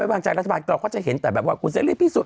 ไว้วางใจรัฐบาลก็เขาจะเห็นแต่แบบว่ากูเซลลี่ที่สุด